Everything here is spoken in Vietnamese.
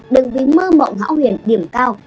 đừng vì mơ mộng hảo huyền điểm cao